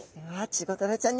チゴダラちゃん！